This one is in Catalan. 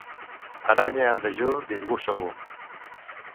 Aranya en dejú, disgust segur.